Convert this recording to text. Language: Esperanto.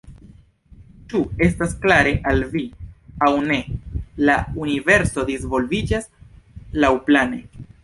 Ĉu estas klare al vi, aŭ ne, la universo disvolviĝas laŭplane.